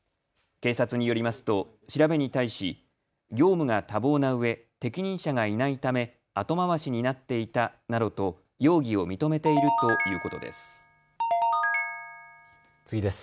警察によりますと調べに対し業務が多忙なうえ、適任者がいないため、後回しになっていたなどと容疑を認めているということです。